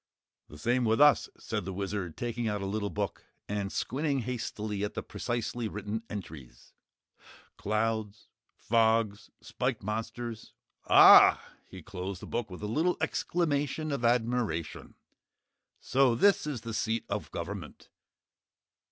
"The same with us," said the Wizard, taking out a little book and squinting hastily at the precisely written entries, "'Clouds, fogs, spiked monsters,' AH!" He closed the book with a little exclamation of admiration. "So this is the seat of Government?"